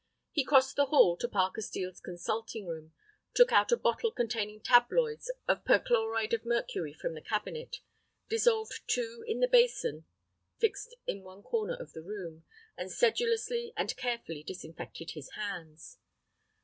He crossed the hall to Parker Steel's consulting room, took out a bottle containing tabloids of perchloride of mercury from the cabinet, dissolved two in the basin fixed in one corner of the room, and sedulously and carefully disinfected his hands.